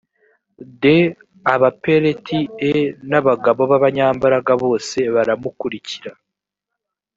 d abapeleti e n abagabo b abanyambaraga bose baramukurikira